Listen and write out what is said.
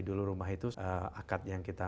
dulu rumah itu akad yang kita